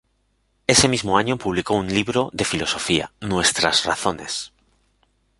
Ese mismo año publicó un libro de filosofía, "Nuestras razones".